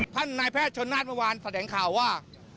ท่านนายแพทย์ชนนาศเมื่อวานแถลงข่าวว่า